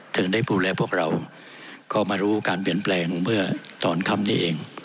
ถึงได้ดูแลพวกเราก็มารู้การเปลี่ยนแปลงเมื่อตอนค่ำนี้เอง